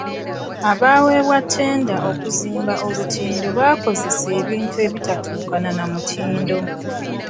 Abaaweebwa ttenda okuzimba olutindo baakozesa ebintu ebitatuukana na mutindo.